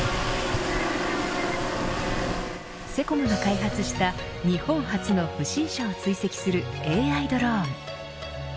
セコムが開発した日本初の不審者を追跡するＡＩドローン。